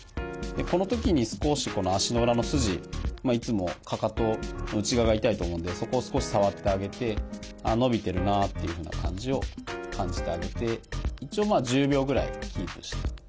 このときに少しこの足の裏の筋いつもかかとの内側が痛いと思うのでそこを少し触ってあげて伸びてるなっていうふうな感じを感じてあげて一応まあ１０秒ぐらいキープして。